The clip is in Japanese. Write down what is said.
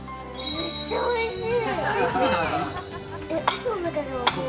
めっちゃおいしい？